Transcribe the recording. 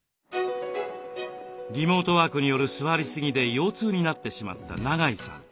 リモートワークによる座りすぎで腰痛になってしまった長井さん。